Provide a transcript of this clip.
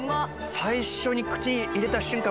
最初に口に入れた瞬間